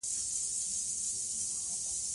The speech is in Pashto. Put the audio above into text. په افغانستان کې جلګه شتون لري.